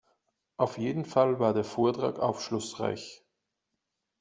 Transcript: Auf jeden Fall war der Vortrag aufschlussreich.